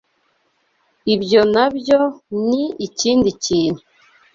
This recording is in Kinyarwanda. ibyo na byo ni ikindi kintu